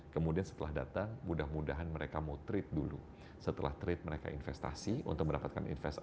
kemudian setelah datang mudah mudahan mereka mau trade dulu setelah trade mereka investasi untuk mendapatkan investasi